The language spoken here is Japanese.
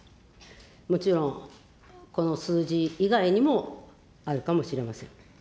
もちろん、この数字以外にもあるかもしれません。